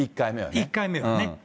１回目はね。